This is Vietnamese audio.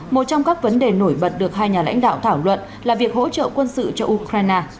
một trong các vấn đề nổi bật được hai nhà lãnh đạo thảo luận là việc hỗ trợ quân sự cho ukraine